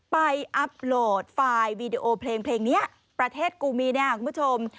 อัพโหลดไฟล์วีดีโอเพลงนี้ประเทศกูมีเนี่ยคุณผู้ชม